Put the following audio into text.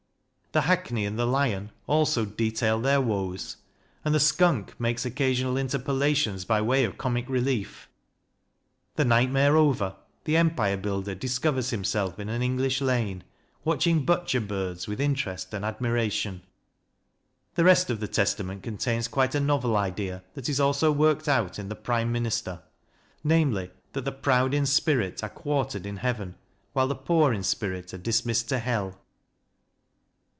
The hackney and the lion also detail their woes, and the skunk makes occasional interpolations by way of comic relief. The nightmare over, the Empire Builder discovers himself in an English lane, watching Butcher birds with in terest and admiration. The rest of the Testament contains quite a novel idea, that is also worked out in the " Prime Minister," namely, that the proud in spirit are quartered in heaven, while the poor in spirit are dismissed to hell.